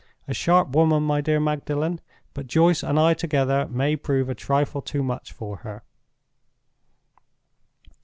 A sharp woman, my dear Magdalen; but Joyce and I together may prove a trifle too much for her."